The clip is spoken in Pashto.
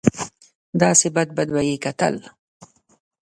داسې بد بد به یې کتل.